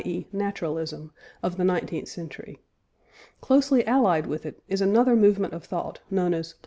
e. naturalism) of the nineteenth century. Closely allied with it is another movement of thought, known as pluralism.